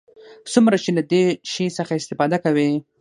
څومره چې له دې شي څخه استفاده کوي.